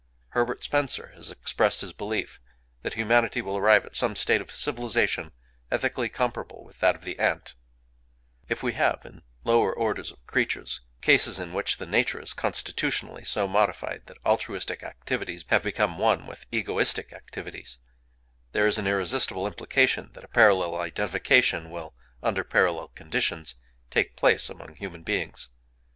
Herbert Spencer has expressed his belief that humanity will arrive at some state of civilization ethically comparable with that of the ant:— "If we have, in lower orders of creatures, cases in which the nature is constitutionally so modified that altruistic activities have become one with egoistic activities, there is an irresistible implication that a parallel identification will, under parallel conditions, take place among human beings.